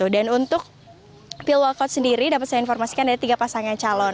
dan untuk pilwal kod sendiri dapat saya informasikan ada tiga pasangan calon